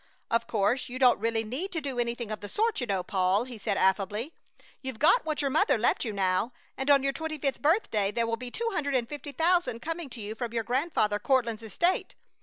"Of course, you don't really need to do anything of the sort, you know, Paul," he said, affably. "You've got what your mother left you now, and on your twenty fifth birthday there will be two hundred and fifty thousand coming to you from your Grandfather Courtland's estate.